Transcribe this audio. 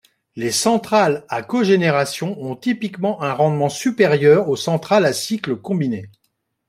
Les centrales à cogénération ont typiquement un rendement supérieur aux centrales à cycle combiné.